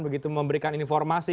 begitu memberikan informasi